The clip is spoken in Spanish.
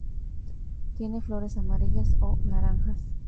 Tienen flores amarillas o naranjas.